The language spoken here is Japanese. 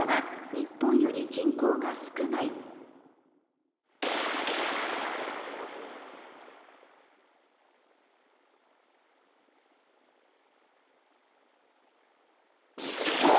日本より人口が少ないお！